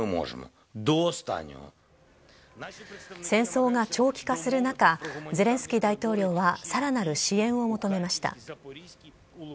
戦争が長期化する中、ゼレンスキー大統領はさらなる支援を求めました。